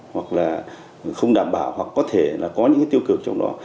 hoặc là không đảm bảo hoặc có thể là có những cái tiêu cực trong đó